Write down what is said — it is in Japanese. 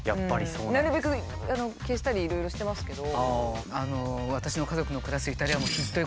なるべく消したりいろいろしてますけど。